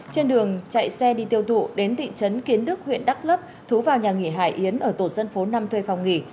trên đường chạy xe đi tiêu thụ đến thị trấn kiến đức huyện đắk lấp thú vào nhà nghỉ hải yến ở tổ dân phố năm thuê phòng nghỉ